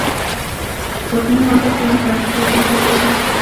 پورتنۍ معادله په لاندې طریقو توازن کولی شئ.